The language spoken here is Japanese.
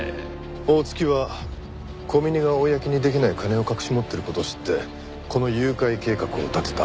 大槻は小峰が公にできない金を隠し持ってる事を知ってこの誘拐計画を立てた。